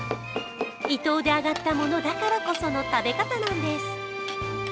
伊東で揚がったものだからこその食べ方なんです。